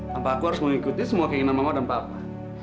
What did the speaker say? tanpa aku harus mengikuti semua keinginan mama dan papa